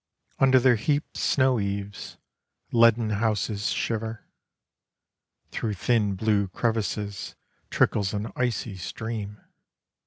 Under their heaped snow eaves, Leaden houses shiver. Through thin blue crevasses, Trickles an icy stream.